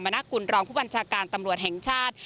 เมล็กรุณรองของผู้บัญชาการตำรวจแห่งชาติ